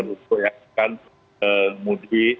untuk yang akan mudik